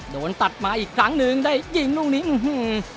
โดนตัดมาอีกครั้งหนึ่งได้ยิงลูกนี้อื้อหือ